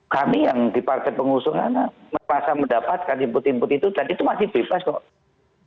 kami yang di partai pengusung anak merasa mendapatkan input input itu dan itu masih bebas kok